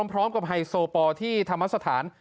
พร้อมกับไฮโซปอล์ที่ธรรมสถาน